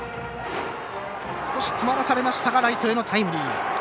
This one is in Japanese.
少し詰まらされましたがライトへのタイムリー。